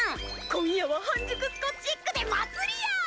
今夜は半熟スコッチエッグで祭りや！